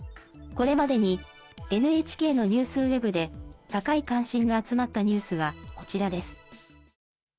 これまでにＮＨＫのニュースウェブで高い関心が集まったニュースはこちらです。